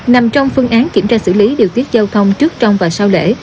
nằm trong phương án kiểm tra xử lý điều tiết giao thông trước trong và sau lễ